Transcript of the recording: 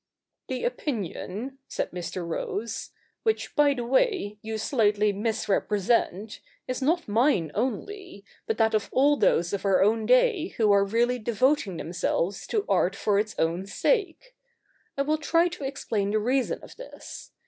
'' The opinion," said Mr. Rose, ' which by the way you slightly misrepresent, is not mine only, but that of all those of our own day who are really devoting themselves to art for its own sake. I will try to explain the reason of this.